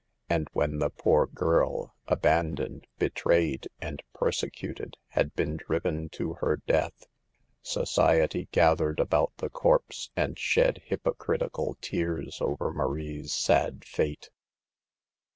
And when the poor girl, abandoned, betrayed and persecuted, had been driven to her death, society gathered about the corpse and shed hypocritical tears over Marie's sad fate.